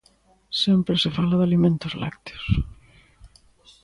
Sempre se fala de Alimentos Lácteos.